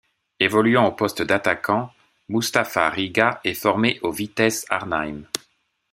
Évoluant au poste d'attaquant, Mustapha Riga est formé aux Vitesse Arnhem.